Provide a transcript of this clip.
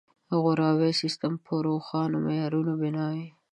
د غوراوي سیستم په روښانو معیارونو بنا وي.